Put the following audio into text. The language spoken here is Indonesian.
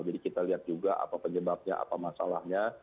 jadi kita lihat juga apa penyebabnya apa masalahnya